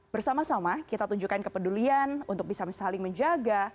bersama sama kita tunjukkan kepedulian untuk bisa saling menjaga